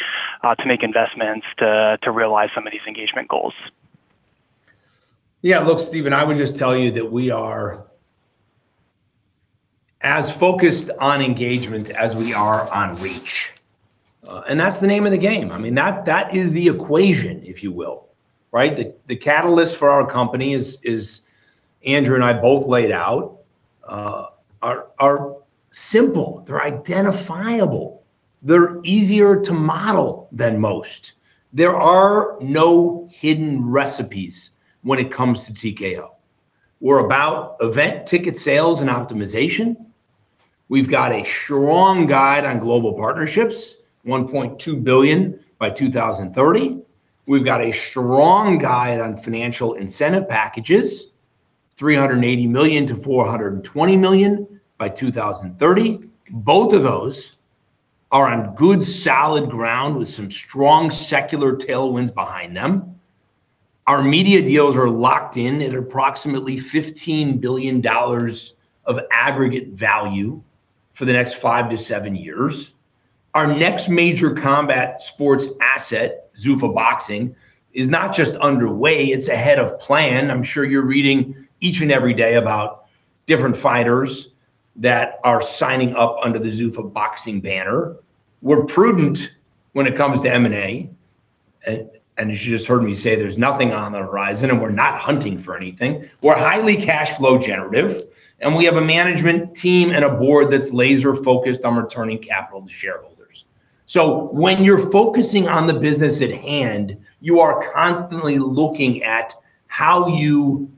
to make investments to realize some of these engagement goals? Yeah. Look, Stephen, I would just tell you that we are as focused on engagement as we are on reach. That's the name of the game. That is the equation, if you will. Right? The catalyst for our company, as Andrew and I both laid out, are simple. They're identifiable. They're easier to model than most. There are no hidden recipes when it comes to TKO. We're about event ticket sales and optimization. We've got a strong guide on global partnerships, $1.2 billion by 2030. We've got a strong guide on financial incentive packages, $380 million-$420 million by 2030. Both of those are on good, solid ground with some strong secular tailwinds behind them. Our media deals are locked in at approximately $15 billion of aggregate value for the next five to seven years. Our next major combat sports asset, Zuffa Boxing, is not just underway, it's ahead of plan. I'm sure you're reading each and every day about different fighters that are signing up under the Zuffa Boxing banner. We're prudent when it comes to M&A, as you just heard me say, there's nothing on the horizon, we're not hunting for anything. We're highly cash flow generative, and we have a management team and a board that's laser focused on returning capital to shareholders. When you're focusing on the business at hand, you are constantly looking at how you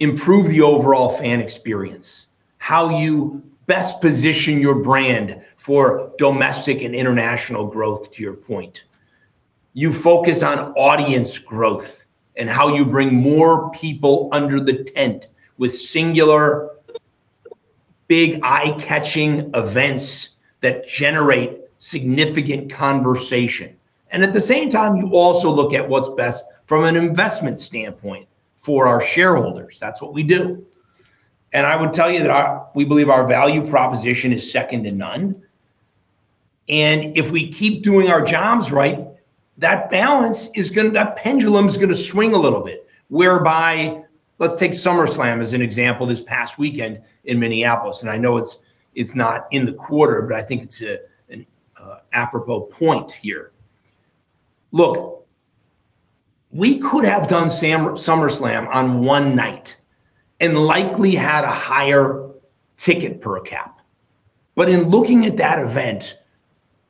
improve the overall fan experience, how you best position your brand for domestic and international growth, to your point. You focus on audience growth and how you bring more people under the tent with singular, big, eye-catching events that generate significant conversation. At the same time, you also look at what's best from an investment standpoint for our shareholders. That's what we do. I would tell you that we believe our value proposition is second to none. If we keep doing our jobs right, that pendulum's going to swing a little bit, whereby let's take SummerSlam as an example this past weekend in Minneapolis, I know it's not in the quarter, but I think it's an apropos point here. Look, we could have done SummerSlam on one night and likely had a higher ticket per cap. But in looking at that event,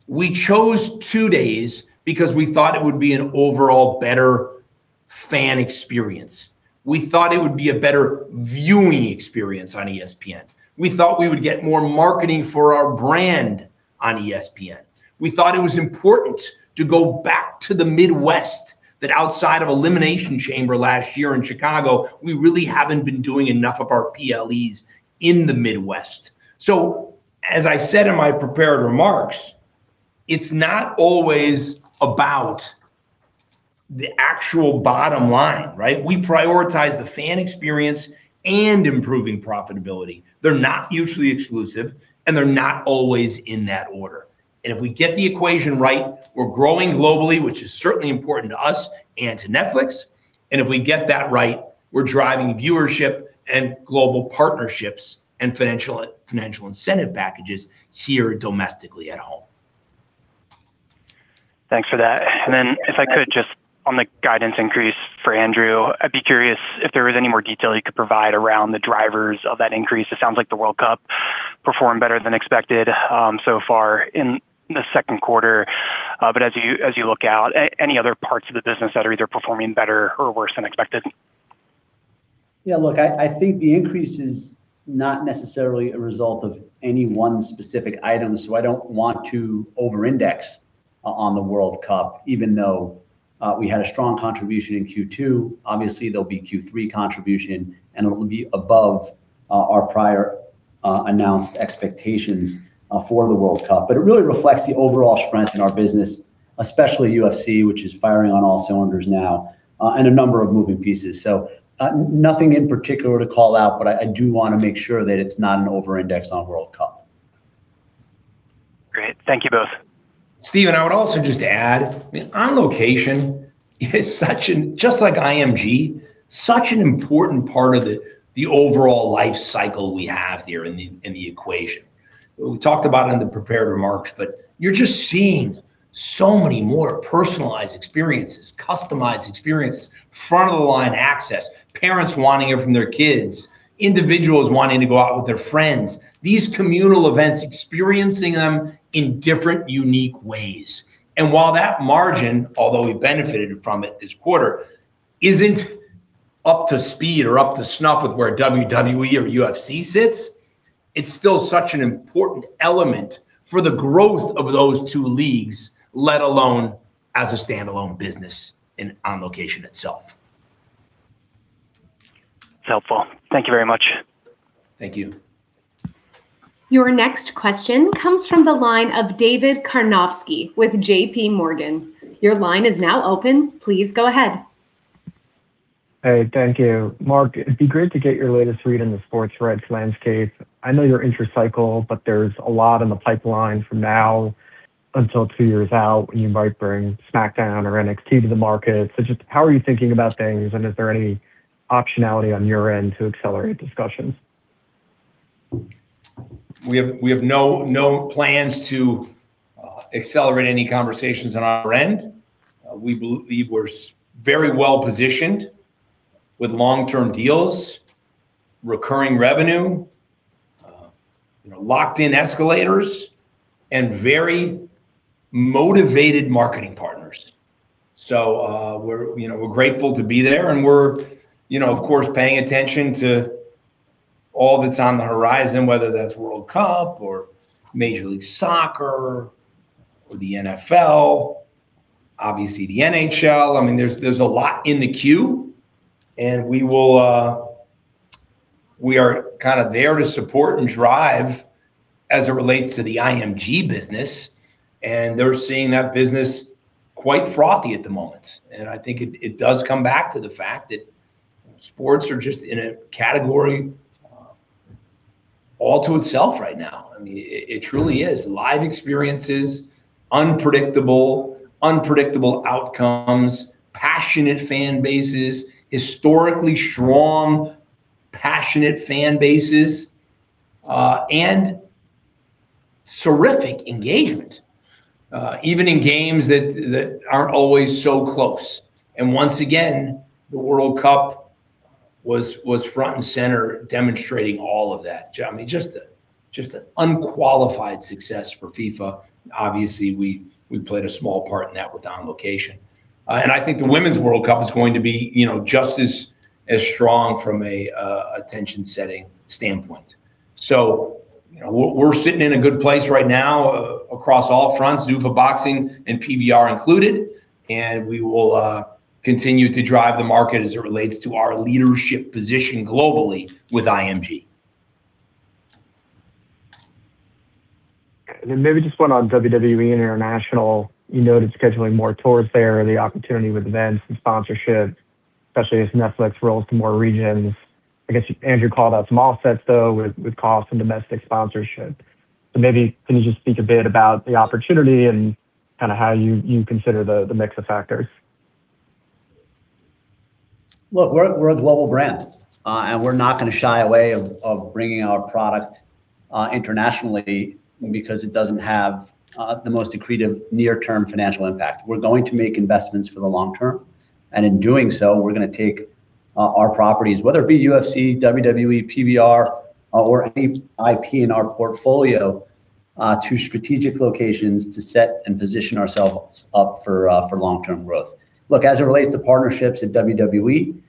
we chose two days because we thought it would be an overall better fan experience. We thought it would be a better viewing experience on ESPN. We thought we would get more marketing for our brand on ESPN. We thought it was important to go back to the Midwest, that outside of Elimination Chamber last year in Chicago, we really haven't been doing enough of our PLEs in the Midwest. As I said in my prepared remarks, it's not always about the actual bottom line, right? We prioritize the fan experience and improving profitability. They're not mutually exclusive, and they're not always in that order. If we get the equation right, we're growing globally, which is certainly important to us and to Netflix, if we get that right, we're driving viewership and global partnerships and financial incentive packages here domestically at home. Thanks for that. If I could, just on the guidance increase for Andrew, I'd be curious if there was any more detail you could provide around the drivers of that increase. It sounds like the World Cup performed better than expected so far in the second quarter. As you look out, any other parts of the business that are either performing better or worse than expected? Yeah, look, I think the increase is not necessarily a result of any one specific item. I don't want to over-index on the World Cup, even though we had a strong contribution in Q2. Obviously, there'll be Q3 contribution, and it'll be above our prior announced expectations for the World Cup. It really reflects the overall strength in our business, especially UFC, which is firing on all cylinders now, and a number of moving pieces. Nothing in particular to call out, but I do want to make sure that it's not an over-index on World Cup. Great. Thank you both. Stephen, I would also just add, On Location is such an, just like IMG, such an important part of the overall life cycle we have here in the equation. We talked about it in the prepared remarks. You're just seeing so many more personalized experiences, customized experiences, front-of-the-line access, parents wanting it for their kids, individuals wanting to go out with their friends. These communal events, experiencing them in different unique ways. While that margin, although we benefited from it this quarter, isn't up to speed or up to snuff with where WWE or UFC sits, it's still such an important element for the growth of those two leagues, let alone as a standalone business in On Location itself. Helpful. Thank you very much. Thank you. Your next question comes from the line of David Karnovsky with JPMorgan. Your line is now open. Please go ahead. Hey, thank you. Mark, it'd be great to get your latest read on the sports rights landscape. I know you're interest cycle, but there's a lot in the pipeline from now until two years out when you might bring SmackDown or NXT to the market. Just how are you thinking about things, and is there any optionality on your end to accelerate discussions? We have no plans to accelerate any conversations on our end. We believe we're very well-positioned with long-term deals, recurring revenue, locked-in escalators, and very motivated marketing partners. We're grateful to be there and we're, of course, paying attention to all that's on the horizon, whether that's World Cup or Major League Soccer or the NFL, obviously the NHL. There's a lot in the queue, and we will. We are kind of there to support and drive as it relates to the IMG business. They're seeing that business quite frothy at the moment. I think it does come back to the fact that sports are just in a category all to itself right now. It truly is. Live experiences, unpredictable outcomes, passionate fan bases, historically strong, passionate fan bases, and terrific engagement, even in games that aren't always so close. Once again, the World Cup was front and center demonstrating all of that. Just an unqualified success for FIFA. Obviously, we played a small part in that with On Location. I think the Women's World Cup is going to be just as strong from an attention-setting standpoint. We're sitting in a good place right now across all fronts, Zuffa Boxing and PBR included, and we will continue to drive the market as it relates to our leadership position globally with IMG. Then maybe just one on WWE International. You noted scheduling more tours there, the opportunity with events and sponsorships, especially as Netflix rolls to more regions. I guess, Andrew called out some offsets, though, with costs and domestic sponsorship. Maybe can you just speak a bit about the opportunity and how you consider the mix of factors? Look, we're a global brand, we're not going to shy away of bringing our product internationally because it doesn't have the most accretive near-term financial impact. We're going to make investments for the long term. In doing so, we're going to take our properties, whether it be UFC, WWE, PBR, or any IP in our portfolio, to strategic locations to set and position ourselves up for long-term growth. Look, as it relates to partnerships at WWE,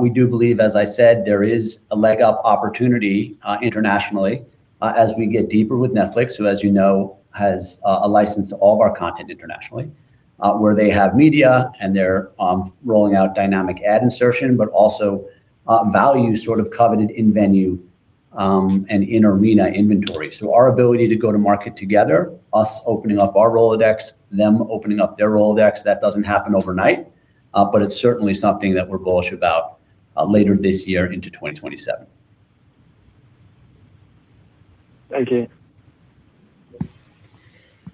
we do believe, as I said, there is a leg up opportunity internationally as we get deeper with Netflix, who as you know, has a license to all of our content internationally, where they have media and they're rolling out dynamic ad insertion, but also value sort of coveted in-venue, and in-arena inventory. Our ability to go to market together, us opening up our Rolodex, them opening up their Rolodex, that doesn't happen overnight. It's certainly something that we're bullish about later this year into 2027. Thank you.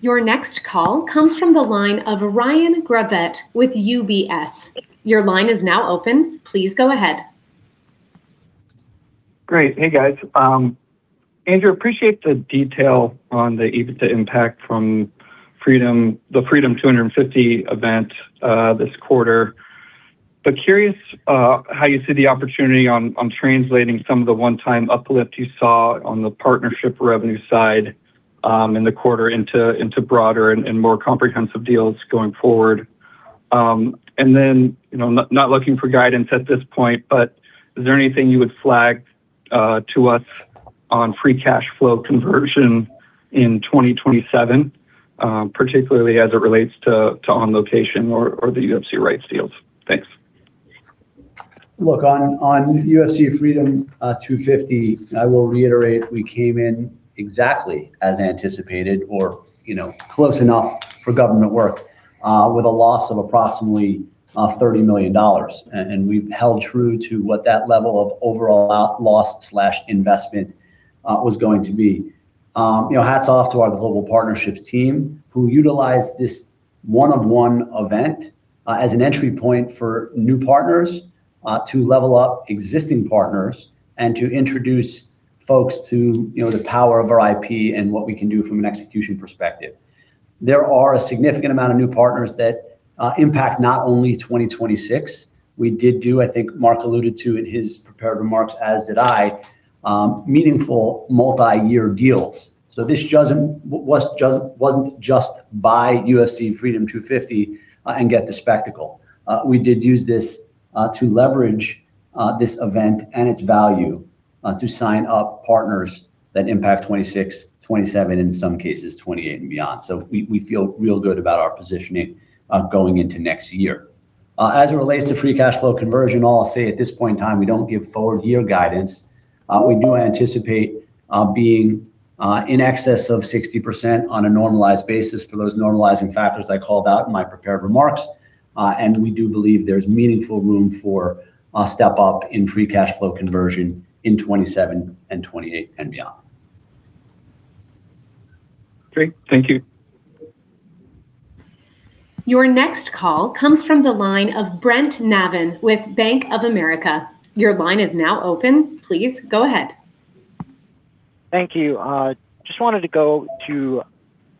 Your next call comes from the line of Ryan Gravett with UBS. Your line is now open. Please go ahead. Great. Hey, guys. Andrew, appreciate the detail on the EBITDA impact from the Freedom 250 event this quarter. Curious how you see the opportunity on translating some of the one-time uplift you saw on the partnership revenue side in the quarter into broader and more comprehensive deals going forward. Not looking for guidance at this point, but is there anything you would flag to us on free cash flow conversion in 2027, particularly as it relates to On Location or the UFC rights deals? Thanks. Look, on UFC Freedom 250, I will reiterate we came in exactly as anticipated or close enough for government work, with a loss of approximately $30 million. We've held true to what that level of overall loss/investment was going to be. Hats off to our global partnerships team who utilized this one-of-one event as an entry point for new partners to level up existing partners and to introduce folks to the power of our IP and what we can do from an execution perspective. There are a significant amount of new partners that impact not only 2026. We did do, I think Mark alluded to in his prepared remarks, as did I, meaningful multi-year deals. This wasn't just buy UFC Freedom 250 and get the spectacle. We did use this to leverage this event and its value to sign up partners that impact 2026, 2027, and in some cases 2028 and beyond. We feel real good about our positioning going into next year. As it relates to free cash flow conversion, I'll say at this point in time, we don't give forward-year guidance. We do anticipate being in excess of 60% on a normalized basis for those normalizing factors I called out in my prepared remarks. We do believe there's meaningful room for a step-up in free cash flow conversion in 2027 and 2028 and beyond. Great. Thank you. Your next call comes from the line of Brent Navin with Bank of America. Your line is now open. Please go ahead. Thank you. Just wanted to go to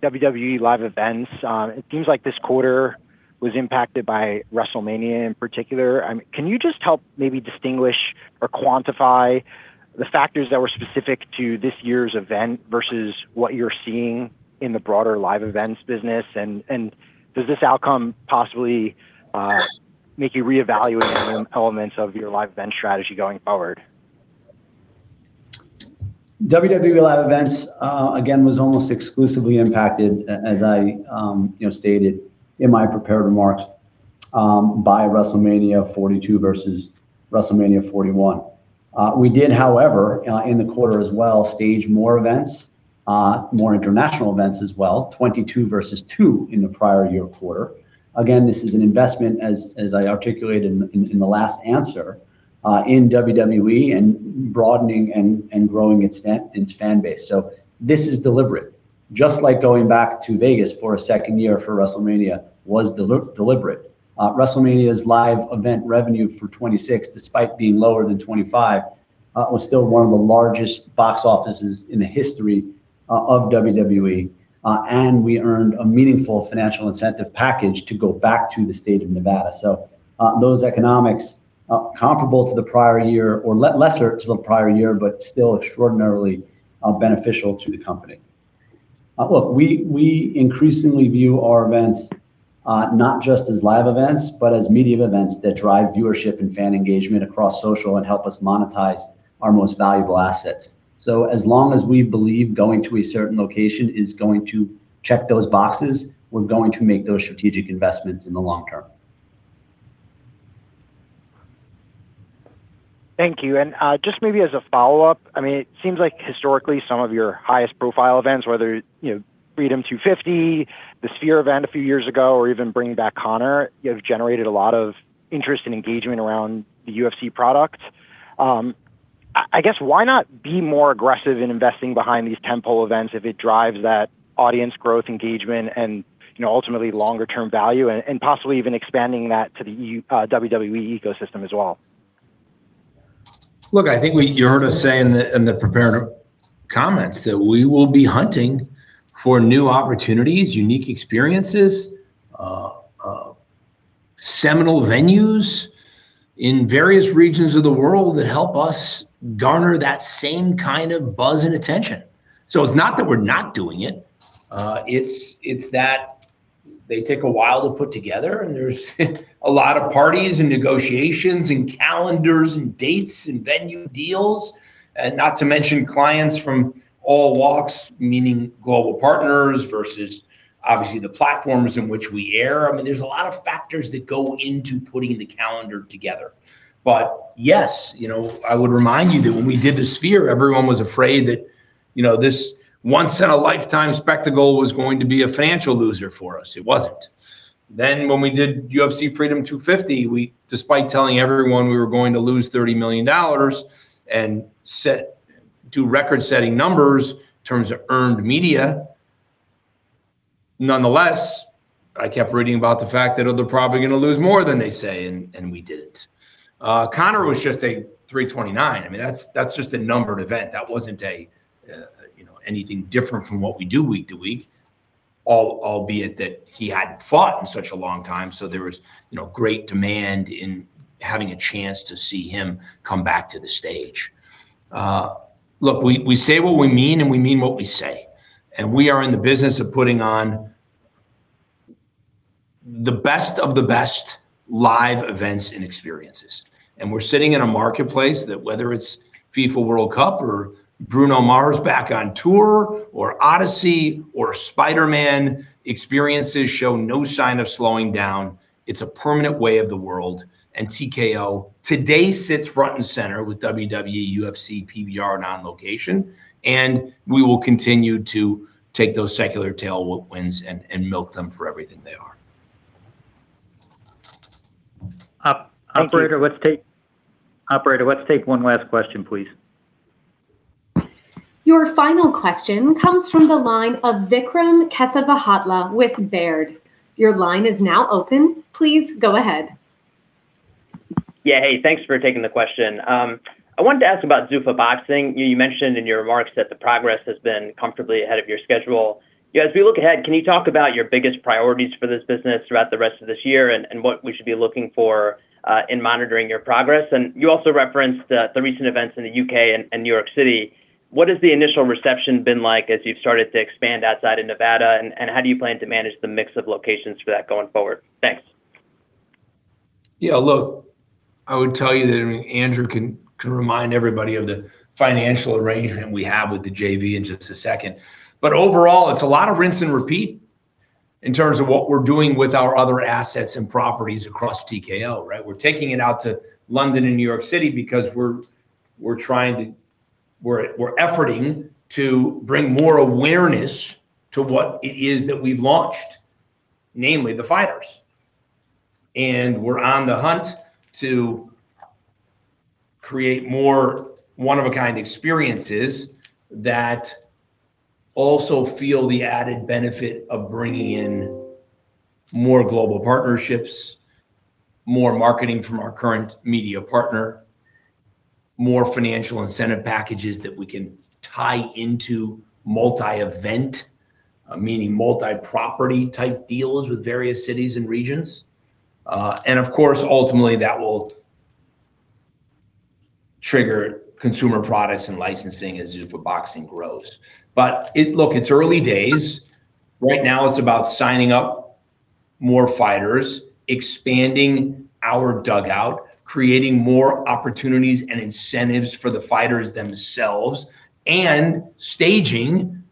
WWE live events. It seems like this quarter was impacted by WrestleMania in particular. Can you just help maybe distinguish or quantify the factors that were specific to this year's event versus what you're seeing in the broader live events business? Does this outcome possibly make you reevaluate elements of your live event strategy going forward? WWE live events, again, was almost exclusively impacted, as I stated in my prepared remarks, by WrestleMania 42 versus WrestleMania 41. We did, however, in the quarter as well, stage more events, more international events as well, 22 versus two in the prior year quarter. Again, this is an investment, as I articulated in the last answer, in WWE and broadening and growing its fan base. This is deliberate, just like going back to Vegas for a second year for WrestleMania was deliberate. WrestleMania's live event revenue for 2026, despite being lower than 2025, was still one of the largest box offices in the history of WWE. We earned a meaningful financial incentive package to go back to the state of Nevada. Those economics are comparable to the prior year, or lesser to the prior year, but still extraordinarily beneficial to the company. Look, we increasingly view our events not just as live events, but as media events that drive viewership and fan engagement across social and help us monetize our most valuable assets. As long as we believe going to a certain location is going to check those boxes, we're going to make those strategic investments in the long term. Thank you. Just maybe as a follow-up, it seems like historically some of your highest profile events, whether Freedom 250, the Sphere event a few years ago, or even bringing back Conor, you have generated a lot of interest and engagement around the UFC product. Why not be more aggressive in investing behind these tent-pole events if it drives that audience growth engagement and ultimately longer-term value and possibly even expanding that to the WWE ecosystem as well? Look, I think you heard us say in the prepared comments that we will be hunting for new opportunities, unique experiences, seminal venues in various regions of the world that help us garner that same kind of buzz and attention. It's not that we're not doing it's that they take a while to put together, and there's a lot of parties and negotiations and calendars and dates and venue deals. Not to mention clients from all walks, meaning global partners versus obviously the platforms in which we air. There's a lot of factors that go into putting the calendar together. Yes, I would remind you that when we did the Sphere, everyone was afraid that this once in a lifetime spectacle was going to be a financial loser for us. It wasn't. When we did UFC Freedom 250, despite telling everyone we were going to lose $30 million and do record-setting numbers in terms of earned media, nonetheless, I kept reading about the fact that, "Oh, they're probably going to lose more than they say," and we didn't. Conor was just a 329. That's just a numbered event. That wasn't anything different from what we do week to week, albeit that he hadn't fought in such a long time, so there was great demand in having a chance to see him come back to the stage. Look, we say what we mean and we mean what we say, and we are in the business of putting on the best of the best live events and experiences. We're sitting in a marketplace that whether it's FIFA World Cup or Bruno Mars back on tour or Odyssey or Spider-Man, experiences show no sign of slowing down. It's a permanent way of the world, and TKO today sits front and center with WWE, UFC, PBR, and On Location. We will continue to take those secular tailwinds and milk them for everything they are. Thank you. Operator, let's take one last question, please. Your final question comes from the line of Vikram Kesavabhotla with Baird. Your line is now open. Please go ahead. Yeah. Hey, thanks for taking the question. I wanted to ask about Zuffa Boxing. You mentioned in your remarks that the progress has been comfortably ahead of your schedule. As we look ahead, can you talk about your biggest priorities for this business throughout the rest of this year and what we should be looking for in monitoring your progress? You also referenced the recent events in the U.K. and New York City. What has the initial reception been like as you've started to expand outside of Nevada, and how do you plan to manage the mix of locations for that going forward? Thanks. I would tell you that Andrew can remind everybody of the financial arrangement we have with the JV in just a second. Overall, it's a lot of rinse and repeat in terms of what we're doing with our other assets and properties across TKO, right? We're taking it out to London and New York City because we're efforting to bring more awareness to what it is that we've launched, namely the fighters. We're on the hunt to create more one-of-a-kind experiences that also feel the added benefit of bringing in more global partnerships, more marketing from our current media partner, more financial incentive packages that we can tie into multi-event, meaning multi-property type deals with various cities and regions. Of course, ultimately that will trigger consumer products and licensing as Zuffa Boxing grows. Look, it's early days. Right now it's about signing up More fighters, expanding our dugout, creating more opportunities and incentives for the fighters themselves, and staging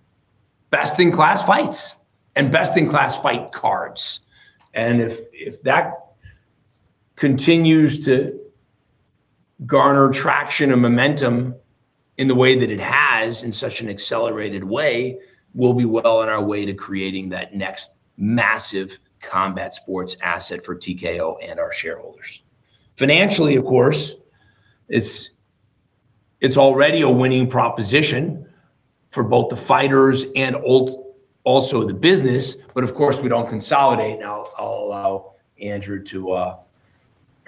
best-in-class fights and best-in-class fight cards. If that continues to garner traction and momentum in the way that it has, in such an accelerated way, we'll be well on our way to creating that next massive combat sports asset for TKO and our shareholders. Financially, of course, it's already a winning proposition for both the fighters and also the business. Of course, we don't consolidate.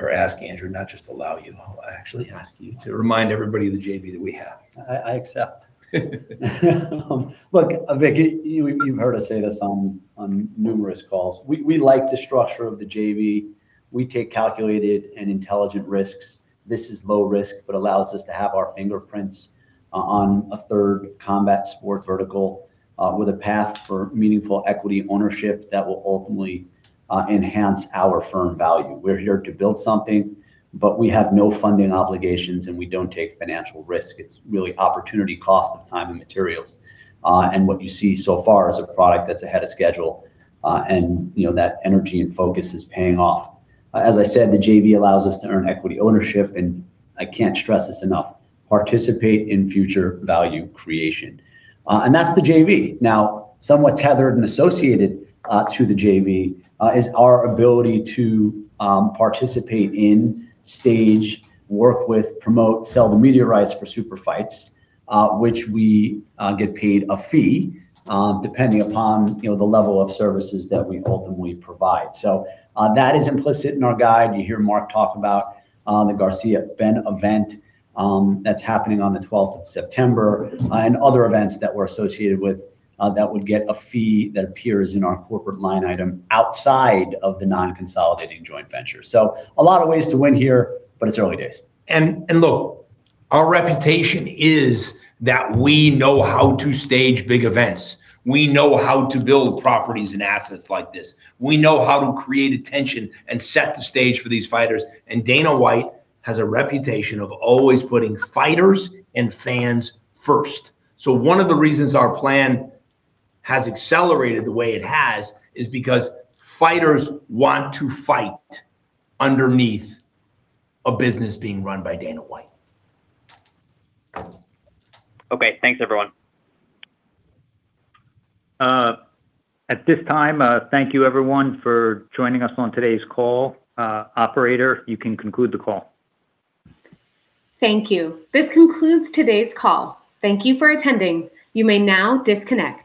I'll actually ask Andrew Schleimer to remind everybody of the JV that we have. I accept. Vic, you've heard us say this on numerous calls. We like the structure of the JV. We take calculated and intelligent risks. This is low risk, but allows us to have our fingerprints on a third combat sport vertical, with a path for meaningful equity ownership that will ultimately enhance our firm value. We're here to build something, but we have no funding obligations, and we don't take financial risk. It's really opportunity cost of time and materials. What you see so far is a product that's ahead of schedule, and that energy and focus is paying off. As I said, the JV allows us to earn equity ownership and, I can't stress this enough, participate in future value creation. That's the JV. Somewhat tethered and associated to the JV is our ability to participate in, stage, work with, promote, sell the media rights for super fights, which we get paid a fee, depending upon the level of services that we ultimately provide. That is implicit in our guide. You hear Mark Shapiro talk about the Garcia-Benn event that's happening on the 12th of September, and other events that we're associated with that would get a fee that appears in our corporate line item outside of the non-consolidating joint venture. A lot of ways to win here, but it's early days. Our reputation is that we know how to stage big events. We know how to build properties and assets like this. We know how to create attention and set the stage for these fighters. Dana White has a reputation of always putting fighters and fans first. One of the reasons our plan has accelerated the way it has is because fighters want to fight underneath a business being run by Dana White. Okay, thanks everyone. At this time, thank you everyone for joining us on today's call. Operator, you can conclude the call. Thank you. This concludes today's call. Thank you for attending. You may now disconnect.